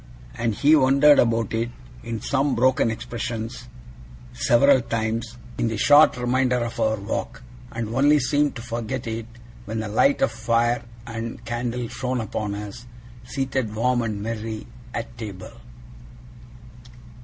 And he wondered about it, in some broken expressions, several times, in the short remainder of our walk; and only seemed to forget it when the light of fire and candle shone upon us, seated warm and merry, at table.